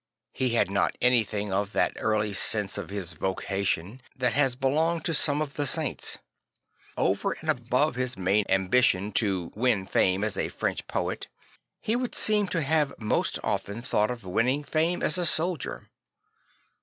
He had not anything of that early sense of his vocation that has belonged to some of the saints, Over and above his main ambition to Francis the Fighter 45 win fame as a French poet, he would seem to have most often thought of winning fame as a soldier.